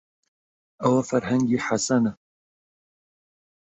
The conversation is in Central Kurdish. ئەوە فەرهەنگی حەسەنە.